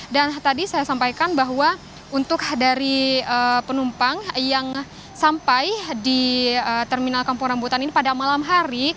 dan tadi saya sampaikan bahwa untuk dari penumpang yang sampai di terminal kampung rambutan ini pada malam hari